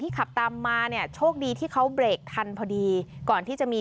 ขับตามมาเนี่ยโชคดีที่เขาเบรกทันพอดีก่อนที่จะมี